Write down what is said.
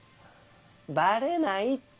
バレないって。